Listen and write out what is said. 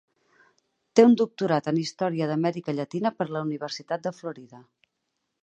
Té un doctorat en història d'Amèrica Llatina per la Universitat de Florida.